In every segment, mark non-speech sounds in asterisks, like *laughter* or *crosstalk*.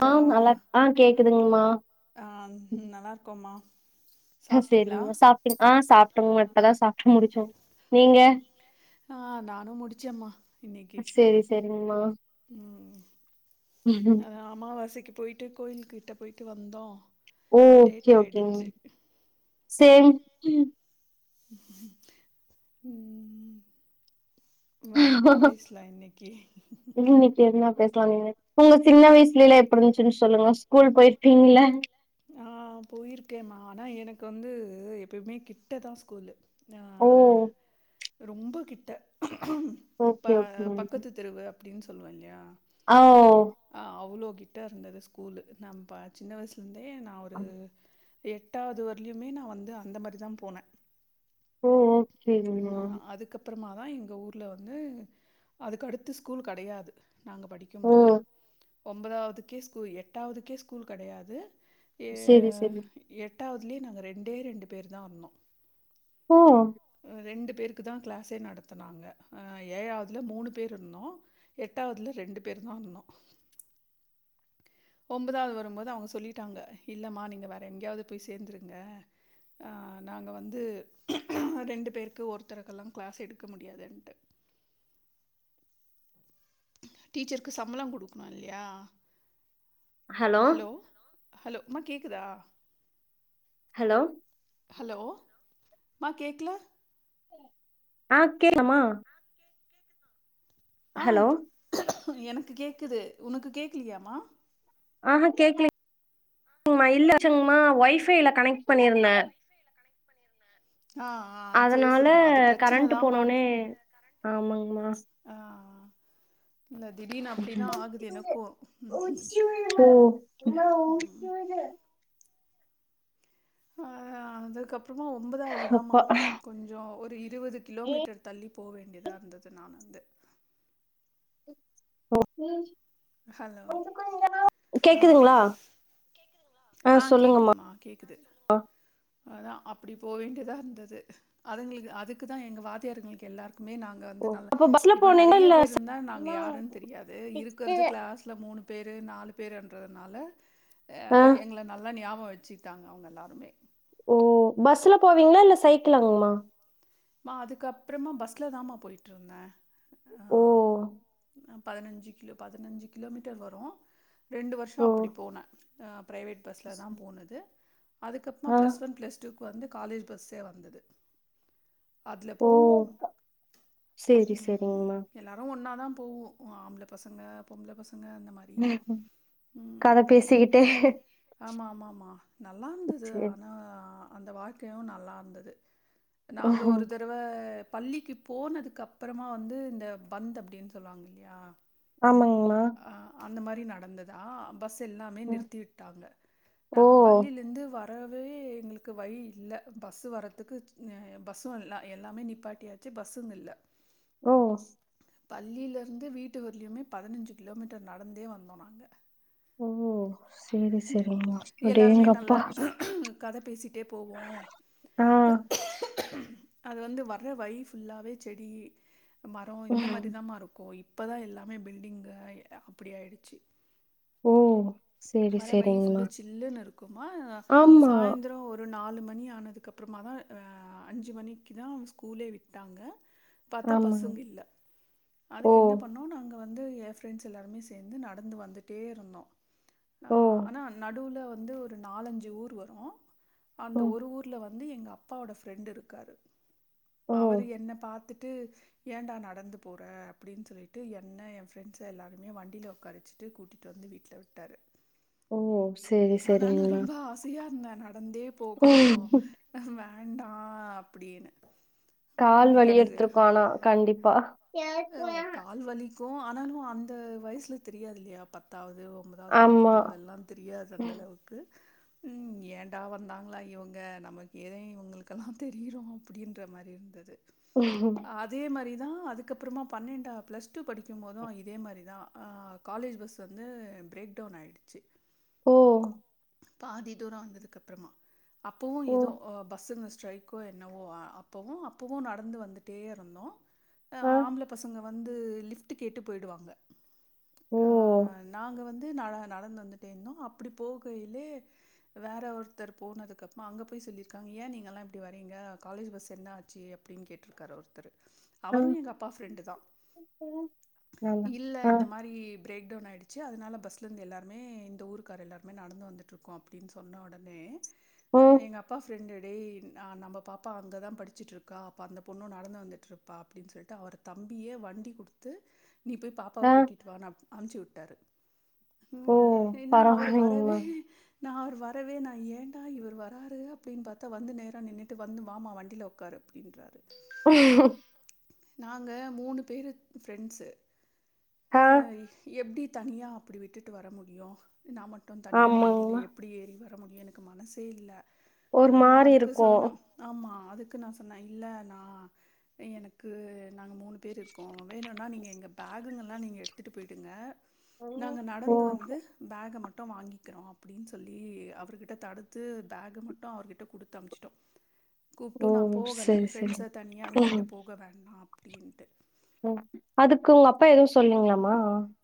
தா ஆஹ் நல்லா ஆஹ் கேக்குதுங்மா ஆ நல்லா இருக்கோம்மா ஹ சாப்ட்டீங்களா செரிங்மா சாப்ட்ருக்கோ சாப்ட்டோங்க இப்பதா சாப்ட்டு முடிச்சோ நீங்க ஆஹ் நானு முடிச்சேம்மா இன்னைக்கு சேரி சேரிங்கம்மா உம் அதா அமாவாசைக்கு போயிட்டு கோயிலுகிட்ட போயிட்டு வந்தோ ஓ ஓகே லேட் ஓகேங்க ஆயிடுச்சு சேம் ட்யூ உம் வேற என்ன பேசலா இன்னைக்கு பேசலாமாங்க உங்க சின்ன வயசுலலா எப்டி இருந்ச்சுன்னு சொல்லுங்க ஸ்கூல் போயிர்க்கீங்ளா ஆஹ் போயிருக்கேம்மா ஆனா எனக்கு வந்து எப்பயுமே கிட்ட தா ஸ்கூல்லு ஓ ரொம்ப கிட்ட ஓகே இப்ப பக்கத்து தெருவு அப்டின் சொ தொல்லுவோ இல்லயா ஔ கிட்ட இருந்தது ஸ்கூலு நாம் பா சின்ன வயசு ஆமா எட்டாவ்து வர்லிய்மே நா வந்து அந்த மாரி தா போனே ஓஹோ உஹ அதுக்கப் அப்றோமா தான் எங்க ஊர்ல வந்து அதுக்கடுத்து ஸ்கூல் கெடையாது நாங்க படிக்கும் ஓ போது ஒம்பதாவதுக்கே ஸ்கூல் எட்டாவதுக்கே ஸ்கூல் கிடையாது சேரி சேரி எட்டவதுலயே நாங்கள் ரெண்டே ரெண்டு பேர் தான் வந்தோம் ஓ ரெண்டு பேருக்கு தா கிளாஸே நடத்தனாங்க் ஏழாவதுல மூணு பேர் இருந்தோம் எட்டாவதுல ரெண்டு பேரு தா இருந்தோ ஒன்பதாவது வரும்போது அவங்க சொல்லிட்டாங்க இல்லம்மா நீங்க வேற எங்கேயாவது போய் சேந்துருங்க ஆஹ் நாங்க வந்து ரெண்டு பேருக்கு ஒருத்தருகேல்லா கிளாஸ் எடுக்க முடியாதுன்ட்டு டீச்சருக்கு சம்போளம் குடுக்கணு இல்லையா ஹலோ ஹலோ அம்மா கேக்குதா ஹலோ ஹலோ மா கேக்கல ஆ கேக்லமா ஆ எனக்கு கேக்குது உனக்கு கேக்கலியாமா ஆஹா கேக்கலிங் மா இல்லச்சங்கமா ஒய் ஃபைவ் கனெக்ட் பண்ணிருந்த ஆ ஆ சரி சரிமா அது பிரச்சனதமா ஆமாங்கமா இல்ல திடீர்னு அப்படிதான் ஆகுது எனக்கும். ம், ம். ஓ ஆ.. அதுக்கப் ப்றோ ஒன்பதாவது தாம அப்பா கொஞ்சோ ஒரு இப் இருபது கிலோமீட்டர் தள்ளிப் போ வேண்டியதா இருந்தது நா வந்து ஓ ஹலோ ஆ கேக்குதுங்களா ஆ கேக்குதுமா கேக்குது அதான் அப்டி போ வேண்டியதா இருந்தது அதுங்களுக்கு அதுக்கு தான் எங்க வாதியார்ங்ளுக்கு எல்லாருக் நாங்க ஓ, வந்து நல்ல அப்ப பஸ்ல இப்ப போனீங்களா நற்யே இல்ல பேர் சை- இருந்த நாங்க யாருன்னு தெரியாது இருக் இருக்கிறது கிளாஸ்ல மூணு பேரு நாலு பேருன்றதுனால ஆ எங்கள நல்லா ஞாபம் வ வச்சிட்டாங்க அவுங்க எல்லாருமே ஓ பஸ்ல போவிங்களா இல்ல சைக்கிளாங்மா அதுக்க அப்புறமா பஸ்ல தான் மா போயிட்டு இருந்தே ஓ பதினஞ்சு கிலோ பதினஞ்சு கிலோமீட்டர் வரும் ரெண்டு வர்ஷோ ஓ அப்டி போன ஆ ப்ரைவேட் பஸ்ல தா போனது அதுக்கப்மா ஆ ப்ளஸ் ஒன் ப்ளஸ் டு வந்து காலேஜ் பஸ்ஸே வந்தது அதுல ஓ போன சேரி உம் சேரிங்கமா எல்லாரு ஒன்னாதா போவோ ஆம்பல பசங்க பொம்பல பசங்க அந்த மாரி கத உம் பேசிக்கிட்டே ஆமா ஆமா ஆமா நல்லாந்தது சரி ஆனா அந்த வாழ்க்கையு நல்லா இருந்தது. நாங்க ம் ஒரு தரவ பள்ளிக்கு போனதுக்கு அப்பறமா வந்து இந்த பந்த் அப்டீன் சொல்லுவாங்க இல்லையா, ஆமாங்கமா அ அந்த மாரி நடந்ததா? பஸ் எல்லாமே ம் நிறுத்திவிட்டாங்க. ஓ நாங்க பள்ளில இருந்து வ வரவே எங்ளுக்கு வழி இல்ல பஸ் வரத்துக்கு ந பஸ்ஸு எல்லா எல்லாமே நிப்பாட்டியாச்சு பஸ்ஸும் இல்ல. ஓ பள்ளில இருந்து வீட்டு வர்லீயுமே பதினஞ்சு கிலோமீட்டர் நடந்தே வந்தோ நாங்க. ஒஹோ சேரி சேரிம்மா அடேங்கப்பா கத பேசிக் கிட்டே போவோ. ஆ அது வந்து வர்ற வழி ஃபுல்லாவே செடி, மரோ இந்த ம். மாரிதாமா இருக்கூ இ. இப்பதா எல்லாமே பில்டிங் அ அப்டி ஆயிடுச்சு ஓ சேரி வர வழி சேரிங்கமா ஃபுல்லா சில்லுன்னு இருக்குமா ஆமா சாய்ந்த்ரோ ஒரு நாலு ம் மணி ஆனதுக்கு அப்றமாதா ஆ அஞ்சு மணிக்குதா ஸ்கூலே விட்டாங்க. பாத்தா ஆமாங்க பஸ்ஸும் இல்ல ஓ அதுக்கு என்ன பண்ணோ நாங்க அப்ப வந்து எ ஃப்ரெண்ட்ஸ் எல்லாருமே சேந்து நடந்து வந்துட்டே இருந்தோ. ஓ ஆஹ் ஆனா நடுவ்ல ஒ வந்து ஒரு நாலஞ்சு ஊர் வரூ அந்த ம் ஒரு ஊர்ல வ வந்து எங்க அப்பாவோட ஃப்ரெண்ட் இருக்காரு. ஓ அவரு என்ன பாத்துட் ட்டு ஏன்டா நடந்து போற அப்டீன் சொல்லிட்டு என்ன எ ஃப்ரெண்ட்ஸ எல்லாருமே வண்டில உக்காரவச்சிட்டு கூட்டிட்டு வந்து வீட்ல விட் டாரு ஓ சேரி சேரிங்கமா. இன்னார் நாள் நடந்தே போகணு அஹ் நா வேண்டா அப்டீனு கால் வலி எடுத்திருக்கு ஆனா கண்டிப்பா ஓ கால் வலி க்கு ஆனாலு அந்த வயசுல தெரியாதுல்லையா பத்தாவது து ஒன்பதாவது படிக்கிற ஆமா போதெல்லா தெரியாது அந்த அளவுக்கு ம் ஏன்டா வந்தாங்களா இவங்க நமக்கு ஏதே இவங்களுக்கெல்லா தெரியிறோ அப்படின்ற மாரி இருந்தது அதே மாரி அதுக்கப்புறமா பன்னெண்டா ப்ளஸ் டூ படிக்கு போது இதே மாரி தா காலேஜ் பஸ் வந்து பிரேக் டவுன் ஆயிடுச்சு ஓ பாதி தூரோ வந்ததுக்கு அப்பறமா அப்பவு ஓ ஏதோ பஸ்ஸு மிஸ் ஸ்ட்ரைக்கோ என்னவோ அப்பவு அப்பவு நடந்து வந்துட்டே இருந்தோ ஆ ஆம்பள பசங்க வந்து லிஃப்ட்டு கேட்டு போயிடுவாங்க ஓ ஆ நாங்க வந்து து நட நடந்து வந்துட்டே இருந்தோ அப்படி போகையிலே வேற ஒருத்தர் போனதுக்கு அப்பமா அங்க போய் சொல்லியிருக்காங்க ஏ நீங்க எல்லா இப்டி வரீங்க காலேஜ் பஸ் என்ன ஆச்சு அப்படின்னு கேட்டிருக்காரு ஒருத்தரு ஆ அவரு எங்க அப்பா ஃப்ரெண்டு தா நல்லா இல்ல ஆ இந்த மாரி பிரேக் டவுன் ஆயிடுச்சு அதனால பஸ்லேருந்து எல்லாருமே இந்த ஊருக்காரர் எல்லருமே நடந்து வந்துட்டுருக்கோ அப்படின்னு சொன்ன உடனே ஆ ம் எங்க அப்பா ஃப்ரெண்ட்டு ஏய் நம்ம பாப்பா அங்கதா படிச்சுட்டு இருக்கா அப்ப அந்த பொண்ணு நடந்து வந்துட்டு இருப் ப்பா அப்படின்னு சொல்லிட்டு அவர் தம்பியே வண்டி கொடுத்து நீ போய் பாப்பாவ ஆ கூட்டிட்டு வா அம்ச்சி விட்டாரு ஓ உம் ஏன்னா அவரு வரவே பரவாயில்லைங்கம்மா. நா அவரு வரவே நா ஏண்டா இவர் வராரு அப்படின்னு பாத்தா வந்து நேர நின்னுட்டு வந்து வாமா வண்டியில உட்காரு அப்படின்றாரு *unintelligible* நாங்க மூணு பேரு ஃப்ரெண்ட்ஸு அ ஆ எப்பிடி தனியா அப்டி விட்டுட்டு வர முடியு நா மட்டு தனியா வண்டியில ஆமாங்கம்மா. எப்டி ஏறி வர வர முடியு எனக்கு மனசே இல்ல ஒரு ஆ நா மாரி அதுக்கு இருக்கும். சொன்ன ஆமா அதுக்கு நா சொன்ன இல்ல நா எனக்கு நாங்க மூணு பேரு இருக்கோ வேணுன்னா நீங்க எங்க பேக்குங்கலா நீங்க எடுத்துட்டு போயிடுங்க நாங்க ஓ நடந்து வந்து பேக மட்டு மட்டு வாங்கிக்கிறோ அப்படின்னு சொல்லி அவர்கிட்ட தடுத்து பேக மட்டு அவர்கிட்ட குடுத்து அனுப்சிட்டோ ஓ கூப்பிட்டு நா போகல சரி சரி. ஃப்ரெண்ட்ஸ்ச தனியா விட்டுட் விட்டு ம் போக வேண்டா அப்டீன்டு ம் அதுக்கு உங்க அப்பா எதும் சொல்லீங்களா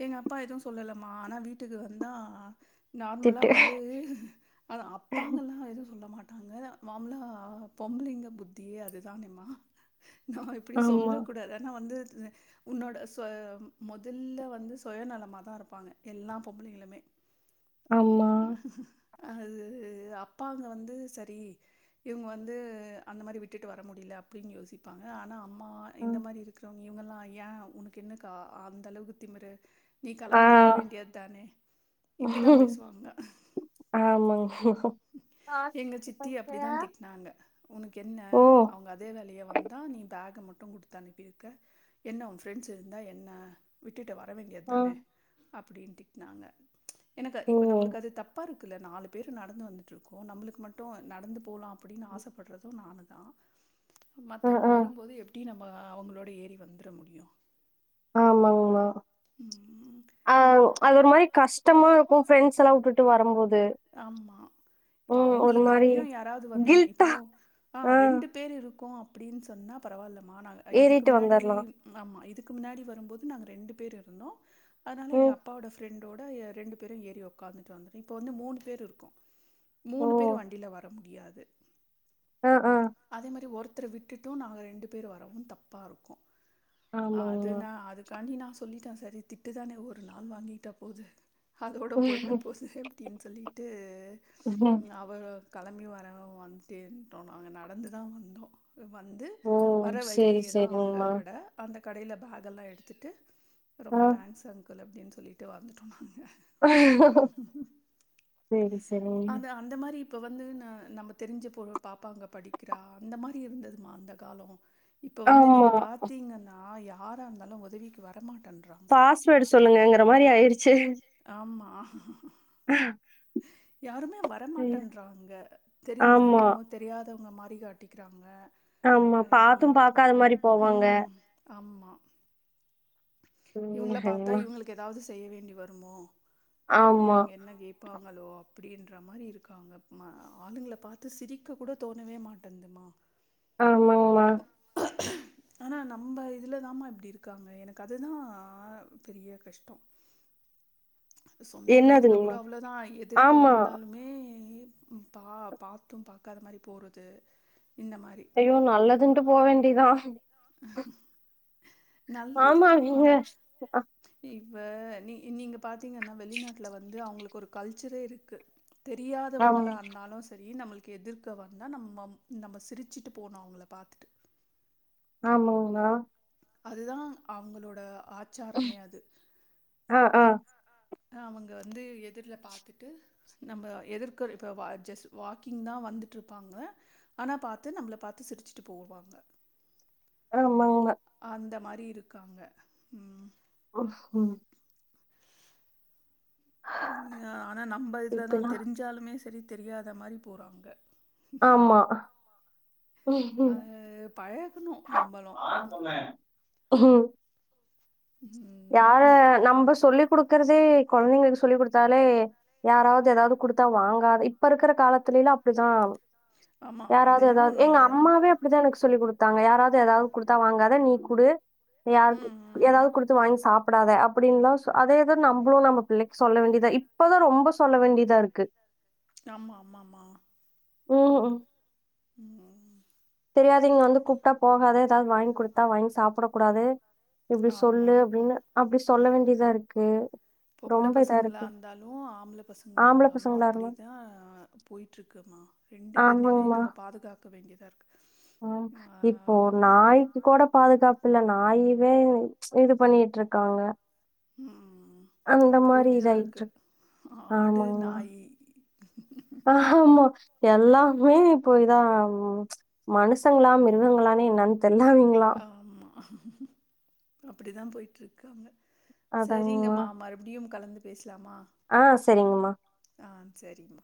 எங்க அப்பா எதுவும் சொல்லலமா ஆனா வீட்டுக்கு வந்தா நார்மலா திட்டு. வந்து அது அப்பாங்கலாம் எதுவும் சொல்ல மாட் டாங்க மாமுலா பொம்பலிங்க புத்தி அதுதானேம்மா நான் இப்டி ஆமா சொல்ல கூடாது ஆனா வந்து உன்னோட சோ முதல்ல வந்து சுயநலமா தான் இருப்பாங்க எல்லா பொம்பளைைங்களுமே ஆமா அது அப்பாங்க வந்து சரி இவுங்க வந்து அந்த மாரி விட்டுட்டு வர முடில அப்டின்னு யோசிப்பாங்க ஆனா அம்மா ஆ. இந்த மாரி இருக்குற இவுங்கெல்லாம் ஏன் உனக்கு என்னக்கா அந்த அளவுக்கு திமிரு நீ ஆ, கிளம்பி வர வேண்டியத் தானே இப்டிதான் பேசுவாங்க ஆமாங்க. எங்க சித்தி அப்டிதான் திட்னாங்க உனக்கு என்ன ஓ! அவுங்க அதே வேலையா வந்தா நீ பேக்க மட் டு குடுத்து அனுப்பிருக்க என்ன உன் ஃபிரெண்ட்ஸ் இருந்தா என்ன விட் விட்டுட்டு வர ஆ வேண்டியத்தானே அப்டின் திட்னாங்க எனக்கு ஓ! இப்ப நம்மளுக்கு அது தப்பா இருக் குல நாலு பேர் நடந்து வந்து ட்ருக்கோ நம்மளுக்கு மட்டும் நடந்து போலாம் அப்டின்னு ஆசைப்படுறதும் நானுதான் அ மத்தவங்க ஆ வரும்போது எப்டி நம் இப்ப அவங்களோட ஏறி வந்துர முடியும் ஆமாங்மா ம். அஹ் அது ஒரு மாரி கஷ் கஷ்டமா இருக்கும் ஃப்ரண்ட்ஸல்லா வுட்டுட்டு வரம்போது ஆமா இப்ப ஒரு மாரி அவங்களுக்காண்டியும் யாராவது வந்துந்தா இப்போ கில்ட்டா ஆஹ் ஆ. ரெண்டு பேர் இருக்கோம் அப்டின்னு சொன்னா பரவால்ல மா நாங்க இதுக்கு ஏறிட்டு முன்னாடி வந்தர்லா ஆமா இது இதுக்கு முன்னாடி வரும்போது நாங்க ரெண்டு பேர் இருந்தோம் அதனால எங்க ம் அப்போட ஃப்ரண்ட் டோட ரெண்டு பேரும் ஏறி உக்காந்துட்டு வந்தோ இப்ப வந்து மூனு பேர் இருக்கோ ஓ மூணு பேரு வண்டில வர முடியா ஆ ஆ அதே மாரி ஒரு த்தர விட்டுட்டோ நாங்க ரெண்டு பேரு வரவோ தப்பா இருக்கு ஆமாங்மா அதுனா அதுக்காண்டி நா சொல்லிடே செரி திட்டுதானே ஒரு நாள் வாங்கிட்டா போது அதோட போய்டபோது எப்டின்னு சொல்லி ட்டு அவரு களம்பி வரவோ வந்துட்டே இருன்டோ நாங்க நடந்துதா வந்தோ வந்து ஓ வர சேரி வழிலியே தா அவங்க சேரிங்மா கட அந்த கடைல பாகெல்லா எடுத்துட்டு ஆ ரொம்ப தேங்க்ஸ் அங்கு கள் அப்டின்னு சொல்லிட்டு வந்துட்டோ நாங் செரி செரி அது அந்த மாதிரி இப்போ வந்து ந நம்ம தெரிஞ்ச போழ் ஒரு பாப்பா அங்க படிக்கிறா அந்த மாரி இருந்ததுமா அந்த காலோ இப்போ வந்து ஆமா நீங்க பாத்தீங்கனா யா ஆரா இருந்தாலு உதவிக்கு வரமா பாஸ்வேர்ட் சொல்லுங்கங்கற மாரி ஆய்டிச்சு ஆமா. ஆ யாருமே வரமாட்டேன்ன்றாங்க தெரிஞ்சு ஆமா தெரியாத அந்த மாறி காட்டிக்கிறாங்க ஆமா அ இ பாத்தும் பாக்காத மாரி போவாங்க ம். ஆமா. இவங்கள பாத்தா ம்மா இவங்களுக்கு ஏதாவ் செய்ய வேண்டி வருமோ ஆ ஆமா இவங்க என்ன கேப்பாங்களோ அப்டின்ற மாரி இருக்காங்க ம ஆளுங்கள பாத்து சிரிக்க கூட தோணவே மாட்டேன்து மா ஆமாங்மா ஆனா நம்ம இதுல தா ம இப்டி இருக்காங்க எனக் கு அதுதா பெரிய கஷ்டோ சொந்தக்காரங்க கூட என்னதுங்மா அவ்ளோதா எதிர்க்க ஆமா வந்தாலுமே பா பாத்து பாக்காத மாரி போறது இந்த மாரி ஐயோ நல்லதுன்ட்டு போ வேண்டியதா ஆஹ ஆமா நிக அ இப்ப நீ நீங்க பாத்திங்கன்னா வெளிநாட்ல வந்து அவங்களுக்கு ஒரு கல்ச்சரே இருக்கு ஆமா தெரியாதவங்களா அன்னாலு சரி நம்மளுக் எதிர்க்க வந்தா நம்மம் நம்ம சிரிச்சிட்டு போனு அவங்கள பாத்துட்டு ஆமாங்ளா அதுதா அவங்களோட ஆச்சாரமே அது ஆ ஆ அ அவங்க வந்து எதிர்ல பாத்துட்டு நம்ம எதிர்க்கருக்க வ ஜஸ்ட் வாக்கிங் தா வந்துட்ருப்பாங்க ஆனா பாத்து நம்ள பாத்து சிரிச்சிட்டு போவாங்க ஆமாங்மா அந்த மார் அப்டி இருக்காங்க உம் ஆஹ ஆனா நம்ம இதுலதா இப்பல்லா தெரிஞ்சாலுமே செரி தெரியாத மாரி போறாங்க ஆமா ம் அஹ் பழஹ்ணு நம்மளு ஆஹ யார நம்ப சொல்லி குடுக்குறதே கொழந்தைங்களுக்கு சொல்லி குடுத்தாலே யாராவது எதாவது குடுத்தா வாங்காத இப்ப இருக்குற காலத்துலைலா அப்டிதா ஆமா அது யாராவ்து என்னவோ ஏதாவ்து எங்க உண்மதான். அம்மாவே அப்டிதா எனக்கு சொல்லி குடுத் தாங்க யாராவது ஏதாவது குடுத்தா வாங்காத நீ குடு ம். யார்க்கு ம். ஏதாவது குடுத் சாப்டாத அப்டின்லாசு அதேதா நம்ப்ளு நம்ம பிள்ளைக்கு சொல்ல வேண்டியதா இப்பதா ரொம்ப சொல்ல வேண்டியதா இருக்கு ஆமா ஆமா ஆமா ஹும் உம் தெரியாத்வைங்க வந்து கூப்டா போகாத ஏதாவது வாய்ங் குடுத்தா வாய்ங் சாப்புட கூடாது இப்டி ஆமா. சொல்லு அப்டின்னு அப்டி சொல்ல வேண்டியதா இருக்கு பொம்ப்ள ரொம்ப இதா இருக்கு பசங்களாந்தாலு ஆம்ப்ள ஆம்பள பசங்களாந்தாலு பசங்களா இருந்தா அப்டிதா போய்ட்ருக்குமா ரெண்டு பேர்னயுமே நம்ம பாதுகாக் க வேண்ட்யதாருக்கு ஹும் இப்போ ஒர் நாய்க்கு கூட பாதுகாப் இல்ல நாயுவே இது பண்ணியிட்ருக்காங்க உம் அந்த மாரி இதாயிட்ரு ஆடு ஆமாங்கமா நாயி ஆமா எல்லாமே போய் தாம் மனுஷங்ளா மிருகங்களானே நன் ஆமா அப்படி தா பொய்ட்ருக்காங்க செரிங்கமா மறுப்டியும் கலந்து பேச் ஆஹ் சரிங்கமா சரிமா